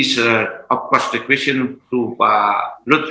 menjawab pertanyaan pak rupi